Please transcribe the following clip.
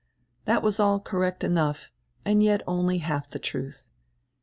That was all correct enough, and yet only half die truth.